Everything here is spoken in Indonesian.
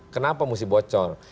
kenapa mesti bocor